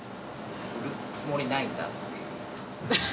売るつもりないなっていう。